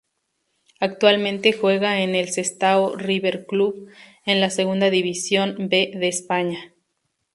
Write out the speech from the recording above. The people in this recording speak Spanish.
Actualmente juega en el Sestao River Club, en la Segunda División B de España.